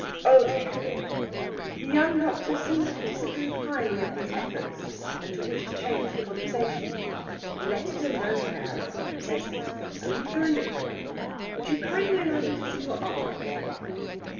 Oh dear!..." The young doctor seemed to disapprove highly of these efforts, and to wish to change the conversation. "Let it alone now," said he. "Only for a little. Would you kindly allow me to see your arm again?"